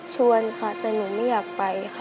ชวนค่ะแต่หนูไม่อยากไปค่ะ